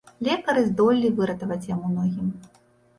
Лекары здолелі выратаваць яму ногі.